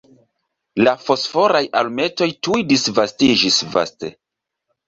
La fosforaj alumetoj tuj disvastiĝis vaste.